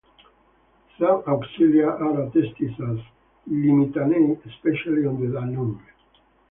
Some "auxilia" are attested as "limitanei", especially on the Danube.